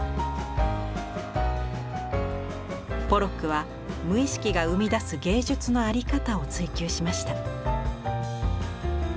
ポロックは無意識が生み出す芸術の在り方を追求しました。